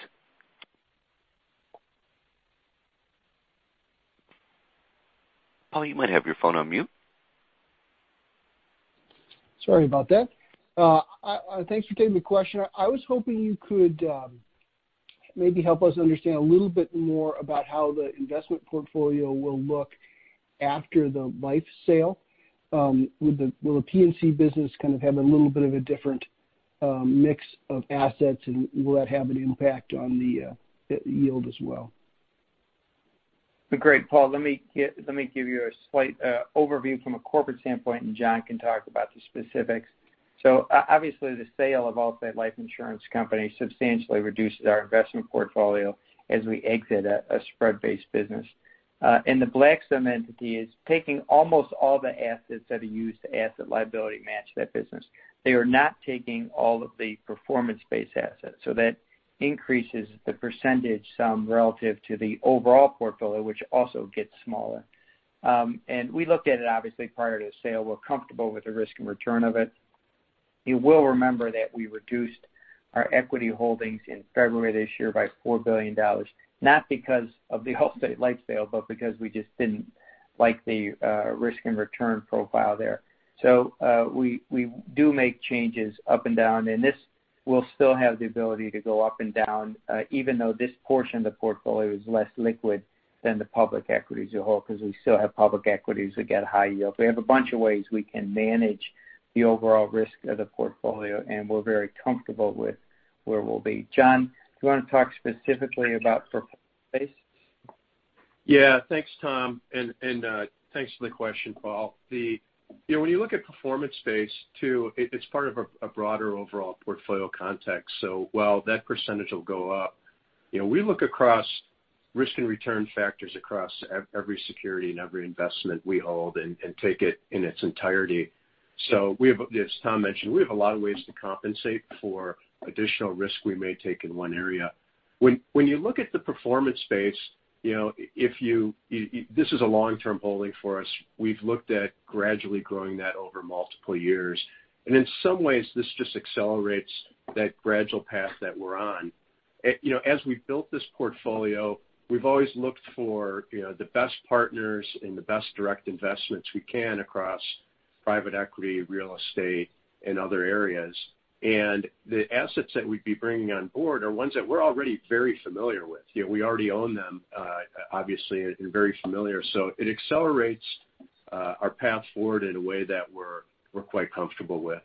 Paul, you might have your phone on mute. Sorry about that. Thanks for taking the question. I was hoping you could maybe help us understand a little bit more about how the investment portfolio will look after the life sale. Will the P&C business kind of have a little bit of a different mix of assets, and will that have an impact on the yield as well? Great. Paul, let me give you a slight overview from a corporate standpoint, and John can talk about the specifics. Obviously, the sale of Allstate Life Insurance Company substantially reduces our investment portfolio as we exit a spread-based business. The Blackstone entity is taking almost all the assets that are used to asset liability match that business. They are not taking all of the performance-based assets. That increases the percentage some relative to the overall portfolio, which also gets smaller. We looked at it, obviously, prior to the sale. We're comfortable with the risk and return of it. You will remember that we reduced our equity holdings in February this year by $4 billion, not because of the Allstate Life sale, but because we just didn't like the risk and return profile there. So we do make changes up and down. This will still have the ability to go up and down, even though this portion of the portfolio is less liquid than the public equities as a whole because we still have public equities that get high yield. We have a bunch of ways we can manage the overall risk of the portfolio, and we're very comfortable with where we'll be. John, do you want to talk specifically about performance-based? Yeah. Thanks, Tom, and thanks for the question, Paul. When you look at performance-based, too, it's part of a broader overall portfolio context. While that percentage will go up, we look across risk and return factors across every security and every investment we hold and take it in its entirety. As Tom mentioned, we have a lot of ways to compensate for additional risk we may take in one area. When you look at the performance-based, this is a long-term holding for us. We've looked at gradually growing that over multiple years, and in some ways, this just accelerates that gradual path that we're on. As we've built this portfolio, we've always looked for the best partners and the best direct investments we can across private equity, real estate, and other areas. The assets that we'd be bringing on board are ones that we're already very familiar with. We already own them, obviously, and very familiar. It accelerates our path forward in a way that we're quite comfortable with.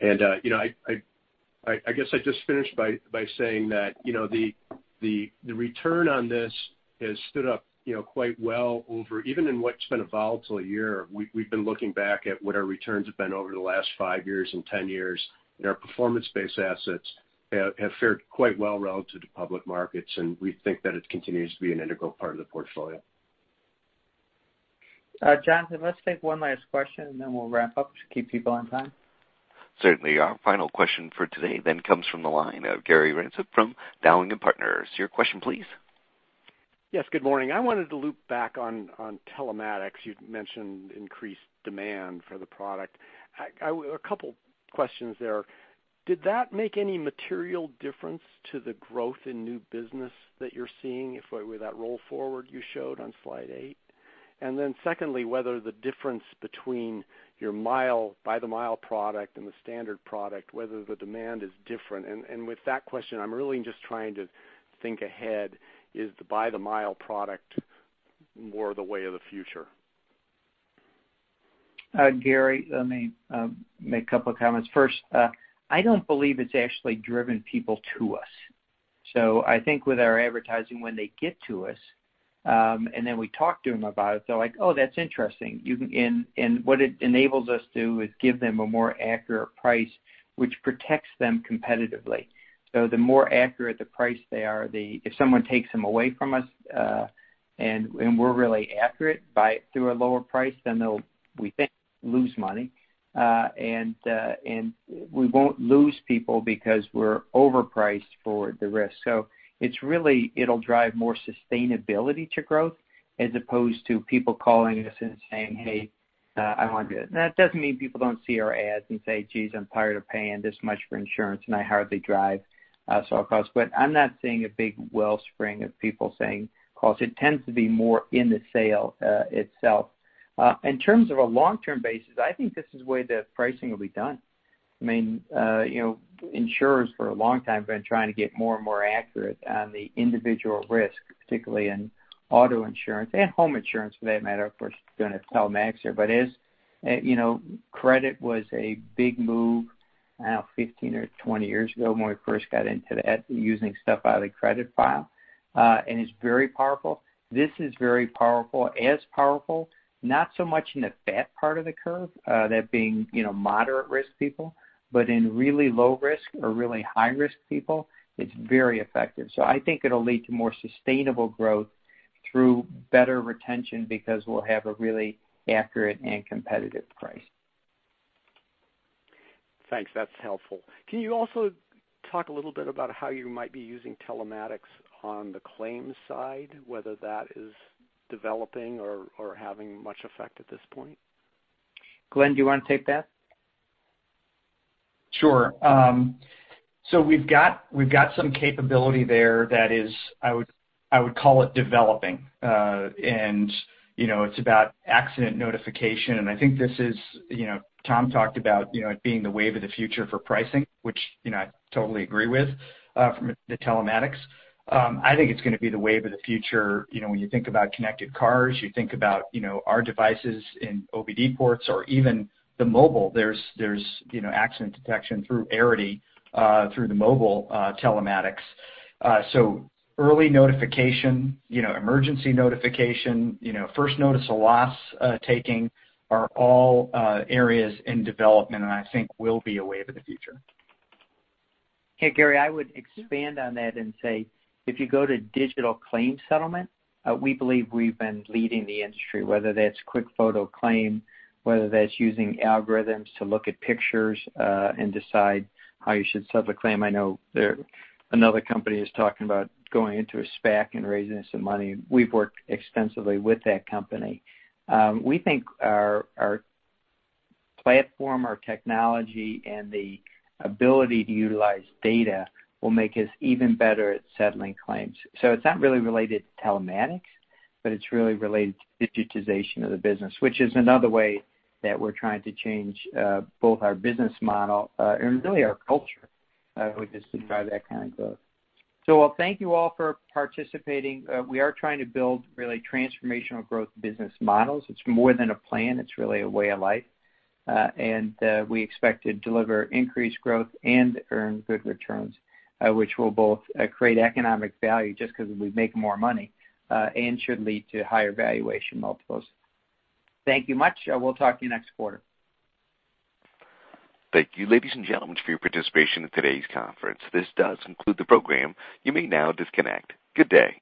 I guess I just finished by saying that the return on this has stood up quite well over, even in what's been a volatile year. We've been looking back at what our returns have been over the last five years and 10 years. And our performance-based assets have fared quite well relative to public markets. And we think that it continues to be an integral part of the portfolio. John, let's take one last question, and then we'll wrap up to keep people on time. Certainly. Our final question for today then comes from the line of Gary Ransom from Dowling & Partners. Your question, please. Yes. Good morning. I wanted to loop back on telematics. You'd mentioned increased demand for the product. A couple of questions there. Did that make any material difference to the growth in new business that you're seeing with that roll forward you showed on slide 8? And then secondly, whether the difference between your buy-the-mile product and the standard product, whether the demand is different? With that question, I'm really just trying to think ahead. Is the buy-the-mile product more the way of the future? Gary, let me make a couple of comments. First, I don't believe it's actually driven people to us. So I think with our advertising, when they get to us and then we talk to them about it, they're like, "Oh, that's interesting." And what it enables us to do is give them a more accurate price, which protects them competitively. So the more accurate the price they are, if someone takes them away from us and we're really accurate through a lower price, then we think lose money. And we won't lose people because we're overpriced for the risk. It'll drive more sustainability to growth as opposed to people calling us and saying, "Hey, I want to do it." That doesn't mean people don't see our ads and say, "Geez, I'm tired of paying this much for insurance, and I hardly drive a small cost." But I'm not seeing a big wellspring of people saying cost. It tends to be more in the sale itself. In terms of a long-term basis, I think this is the way that pricing will be done. I mean, insurers for a long time have been trying to get more and more accurate on the individual risk, particularly in auto insurance and home insurance for that matter, of course, going to telematics here. But credit was a big move, I don't know, 15 or 20 years ago when we first got into that using stuff out of the credit file. It's very powerful. This is very powerful, as powerful, not so much in the fat part of the curve, that being moderate risk people, but in really low risk or really high risk people, it's very effective. I think it'll lead to more sustainable growth through better retention because we'll have a really accurate and competitive price. Thanks. That's helpful. Can you also talk a little bit about how you might be using telematics on the claims side, whether that is developing or having much effect at this point? Glenn, do you want to take that? We've got some capability there that is, I would call it, developing. And it's about accident notification. And I think this is Tom talked about it being the wave of the future for pricing, which I totally agree with from the telematics. I think it's going to be the wave of the future. When you think about connected cars, you think about our devices in OBD ports or even the mobile. There's accident detection through Arity through the mobile telematics. So early notification, emergency notification, first notice of loss taking are all areas in development and I think will be a wave of the future. Hey, Gary, I would expand on that and say if you go to digital claim settlement, we believe we've been leading the industry, whether that's QuickFoto Claim, whether that's using algorithms to look at pictures and decide how you should settle a claim. I know another company is talking about going into a SPAC and raising some money. We've worked extensively with that company. We think our platform, our technology, and the ability to utilize data will make us even better at settling claims. It's not really related to telematics, but it's really related to digitization of the business, which is another way that we're trying to change both our business model and really our culture just to drive that kind of growth. Thank you all for participating. We are trying to build really transformational growth business models. It's more than a plan. It's really a way of life. And we expect to deliver increased growth and earn good returns, which will both create economic value just because we make more money and should lead to higher valuation multiples. Thank you much. We'll talk to you next quarter. Thank you, ladies and gentlemen, for your participation in today's conference. This does conclude the program. You may now disconnect. Good day.